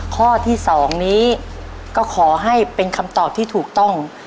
ข้อที่๒นี้ก็ขอให้เป็นคำตอบที่ถูกต้อง